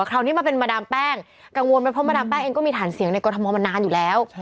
คราวนี้มาเป็นมาดามแป้งกังวลไหมเพราะมาดามแป้งเองก็มีฐานเสียงในกรทมมานานอยู่แล้ว